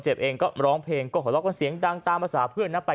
เจ็บเองก็ร้องเพลงก็หลอกกันเสียงดังตามภาษาเพื่อนนะไป